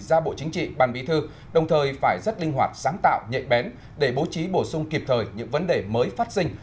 ra bộ chính trị ban bí thư đồng thời phải rất linh hoạt sáng tạo nhẹ bén để bố trí bổ sung kịp thời những vấn đề mới phát sinh